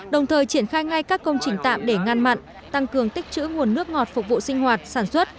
đồng thời triển khai ngay các công trình tạm để ngăn mặn tăng cường tích chữ nguồn nước ngọt phục vụ sinh hoạt sản xuất